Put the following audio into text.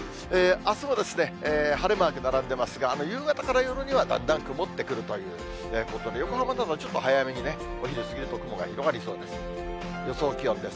あすも晴れマーク並んでますが、夕方から夜にはだんだん曇ってくるということで、横浜でもちょっと早めにね、お昼過ぎると雲が広がりそうです。